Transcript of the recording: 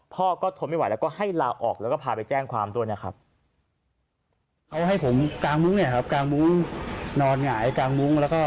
พ่อก็ทนไม่ไหวแล้วก็ให้ลาออกแล้วก็พาไปแจ้งความด้วยนะครับ